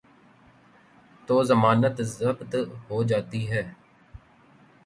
تو ضمانت ضبط ہو جاتی ہے۔